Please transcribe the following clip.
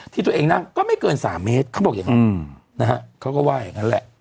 ที่ตัวเองนั่งก็ไม่เกิน๓เมตรเขาบอกอย่างนั้นนะฮะเขาก็ว่าอย่างนั้นแหละ